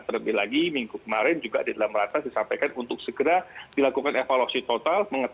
terlebih lagi minggu kemarin juga di dalam ratas disampaikan untuk segera dilakukan evaluasi total